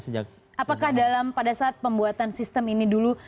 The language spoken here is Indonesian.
apakah dalam pada saat pembuatan sistem ini dulu